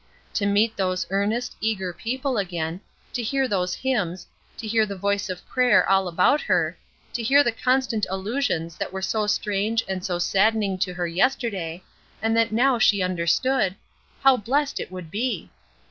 To meet those earnest, eager people again, to hear those hymns, to hear the voice of prayer all about her, to hear the constant allusions that were so strange and so saddening to her yesterday, and that now she understood, how blessed it would be!